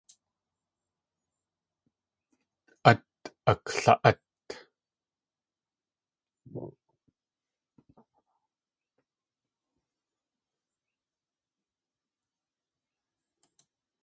Át akla.át.